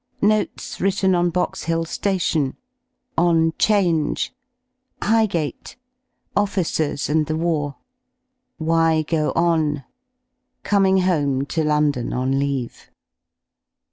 § Notes written on Box Hill Station § On change. § Highgate. § OiEcers and the war. § "Why go on ?"§ Coming home to London on leave.